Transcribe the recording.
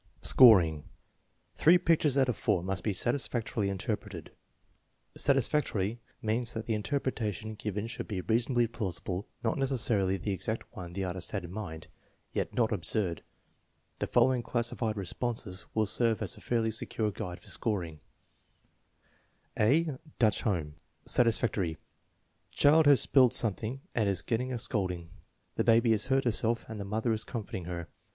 Scoring. Three pictures out of four must be satisfactorily interpreted. " Satisfactorily " means that the interpreta tion given should be reasonably plausible; not necessarily the exact one the artist had in mind, yet not absurd. The TEST NO. Xn, 7 303 following classified responses will serve as a fairly secure guide for scoring: (a) Dutch Home Satisfactory. "Child has spilled something and is getting a scolding." "The baby has hurt herself and the mother is com forting her."